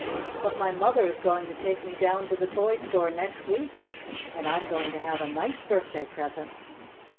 "But my mother is going to take me down to the toy store next week, and I'm going to have a nice birthday present."